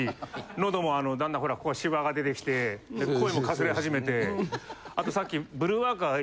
喉もだんだんほらしわが出てきて声もかすれ始めてあと。